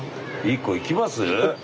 一個いきます？